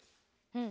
うん。